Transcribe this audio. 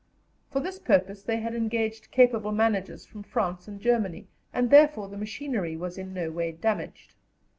For this purpose they had engaged capable managers from France and Germany, and therefore the machinery was in no way damaged.